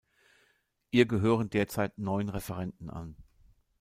Ihr gehören derzeit neun Referenten an.